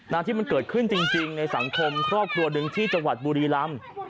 ที่มันเกิดขึ้นจริงในสังคมครอบครัวหนึ่งที่จังหวัดบุรีรำ